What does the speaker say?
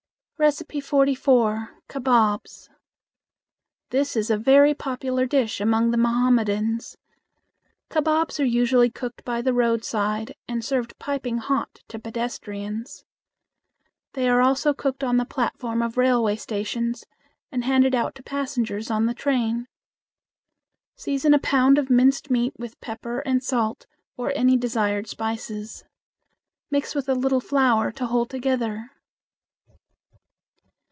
44. Kabobs. This is a very popular dish among the Mohammedans. Kabobs are usually cooked by the roadside and served piping hot to pedestrians. They are also cooked on the platform of railway stations and handed out to passengers on the train. Season a pound of minced meat with pepper and salt or any desired spices. Mix with a little flour to hold together.